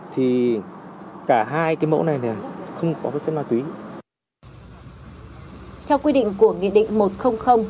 theo quy định của nghị định một trăm linh